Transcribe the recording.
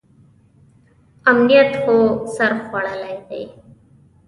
امنیت خو سر خوړلی دی.